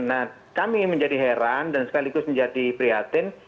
nah kami menjadi heran dan sekaligus menjadi prihatin